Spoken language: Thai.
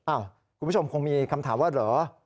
คุณผู้ชมคงมีคำถามว่าเหรอ